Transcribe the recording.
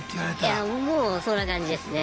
いやもうそんな感じですね。